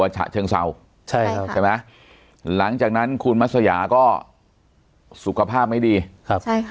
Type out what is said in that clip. ใช่ครับใช่ไหมหลังจากนั้นคุณมัสยาก็สุขภาพไม่ดีครับ